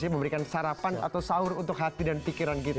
memberikan sarapan atau sahur untuk hati dan pikiran kita